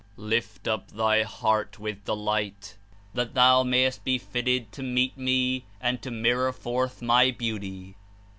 Lift up thy heart with delight, that thou mayest be fitted to meet Me and to mirror forth my Beauty."